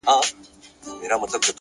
هوښیار فکر راتلونکی له نن سره تړي’